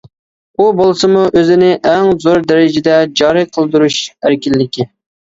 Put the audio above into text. ئۇ بولسىمۇ ئۆزىنى ئەڭ زور دەرىجىدە جارى قىلدۇرۇش ئەركىنلىكى.